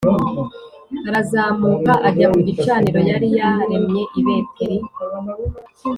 arazamuka ajya ku gicaniro yari yaremye i Beteli